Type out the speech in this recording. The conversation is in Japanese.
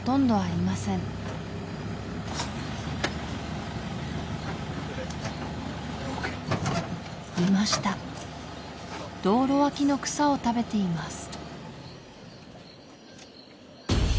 いました道路脇の草を食べています